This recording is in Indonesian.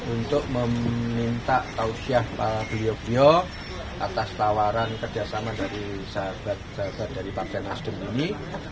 untuk meminta taufiah beliau beliau atas tawaran kerjasama dari sahabat sahabat dari partai nasdem ini